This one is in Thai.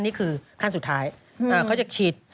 นี่คือขั้นสุดท้ายเขาจะฉีด